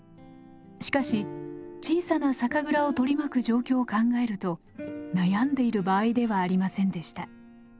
しかし小さな酒蔵を取り巻く状況を考えると悩んでいる場合ではありませんでした。